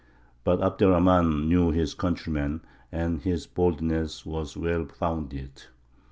But Abd er Rahmān knew his countrymen, and his boldness was well founded.